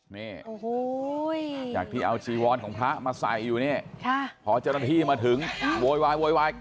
นี่โอ้โหจากที่เอาจีวรของพระมาใส่อยู่นี่พอเจ้าหน้าที่มาถึงโวยวายโวยวาย